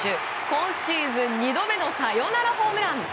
今シーズン２度目のサヨナラホームラン。